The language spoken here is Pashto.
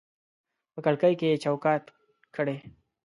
په کړکۍ کې یې چوکاټ کړي